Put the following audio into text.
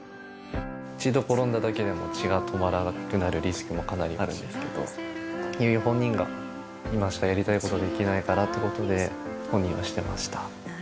一度転んだだけでも、血が止まらなくなるリスクもかなりあるんですけど、優生本人が今しかやりたいことできないからってことで、本人はしてました。